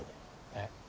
えっ？